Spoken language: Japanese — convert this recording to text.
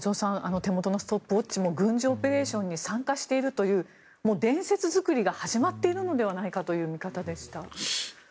手元のストップウォッチも軍事オペレーションに参加しているという伝説作りが始まっているのではないかという見方でした。